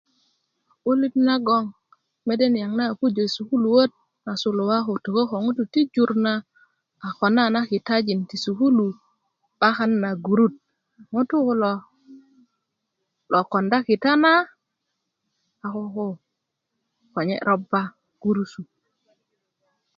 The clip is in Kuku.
'bulit nagon mede niyaŋ a pujö i sukuluöt na sulua ko tökö ko ŋutu ti jur na a kona na kitajin ti sukulu 'bakan na gurut ŋutu kulo lo konda kita na a koko konye' roba gurusu